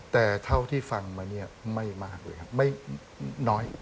แต่เท่าที่ฟังมาเนี่ยไม่มากเลยครับไม่น้อย